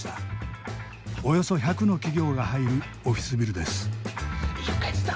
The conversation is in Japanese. およそ１００の企業が入るオフィスビルです。